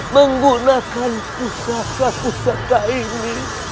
menggunakan pusaka pusaka ini